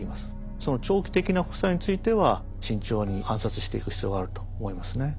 その長期的な副作用については慎重に観察していく必要があると思いますね。